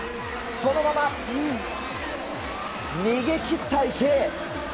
そのまま、逃げ切った池江！